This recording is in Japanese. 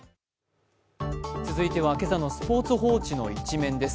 続いては今朝の「スポーツ報知」の一面です。